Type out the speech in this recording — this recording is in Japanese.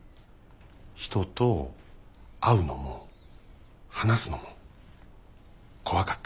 人と会うのも話すのも怖かった。